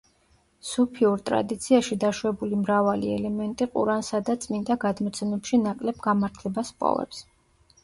სუფიურ ტრადიციაში დაშვებული მრავალი ელემენტი ყურანსა და წმინდა გადმოცემებში ნაკლებ „გამართლებას“ ჰპოვებს.